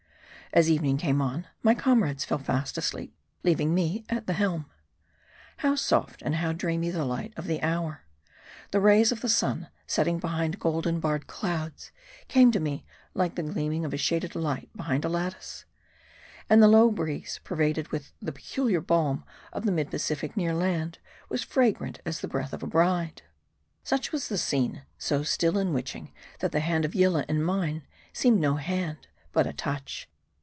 As evening came on, rny comrades fell fast asleep, leaving me at the helm. How soft and how dreamy the light of the hour. The rays of the sun, setting behind golden barred clouds, came to me like the gleaming of a shaded light behind a lattice. And the low breeze, pervaded with the peculiar balm of the mid Pacific near land, was fragrant as the breath of a bride. Such was the scene ; so still and witching that the hand of Yillah in mine seemed no hand, but a touch.